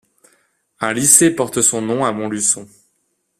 Un lycée porte son nom à Montluçon.